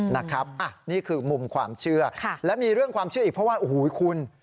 นี่คือมุมความเชื่อและมีเรื่องความเชื่ออีกเพราะว่าโอ้โหคุณ